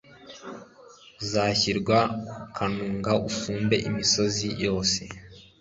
uzashyirwa ku kanunga usumbe imisozi yose